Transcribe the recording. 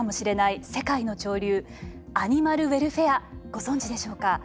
アニマルウェルフェアご存じでしょうか？